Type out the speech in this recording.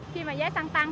khi mà giá xăng tăng